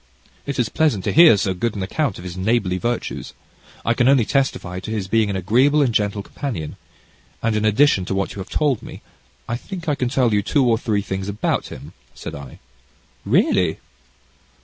"It is pleasant to hear so good an account of his neighbourly virtues. I can only testify to his being an agreeable and gentle companion, and in addition to what you have told me, I think I can tell you two or three things about him," said I. "Really!"